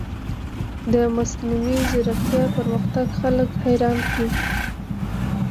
د مصنوعي ځیرکتیا پرمختګ خلک حیران کړي.